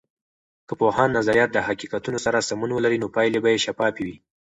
که د پوهاند نظریات د حقیقتونو سره سمون ولري، نو پایلې به شفافې وي.